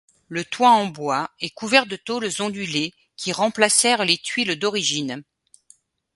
Le toit en bois est couvert de tôles ondulées qui remplacèrent les tuiles d'origine.